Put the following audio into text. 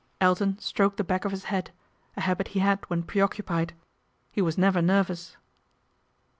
Elton stroked the back of his head, a habit he had when preoccupied he was never nervous.